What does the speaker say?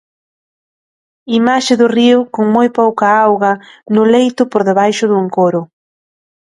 Imaxe do río, con moi pouca auga, no leito por debaixo do encoro.